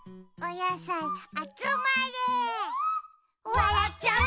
「わらっちゃう」